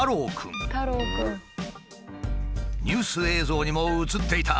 ニュース映像にも映っていたあの少年だ。